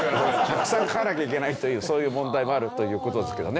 たくさん書かなきゃいけないというそういう問題もあるという事ですけどね。